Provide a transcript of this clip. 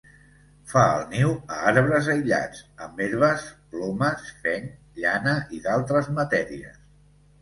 Fa el niu a arbres aïllats amb herbes, plomes, fenc, llana i d'altres matèries.